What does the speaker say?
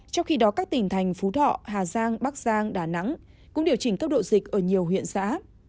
trong khi đó các tỉnh thành phú thọ hà giang bắc giang đà nẵng cũng điều chỉnh tốc độ dịch ở nhiều huyện xã